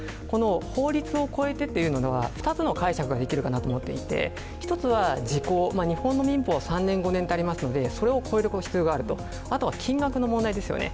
法律を超えてというのは２つの解釈ができるかなと思っていて、１つは、時効、日本の民法は３年、５年とありますのでそれを超える必要があるあとは金額の問題ですよね。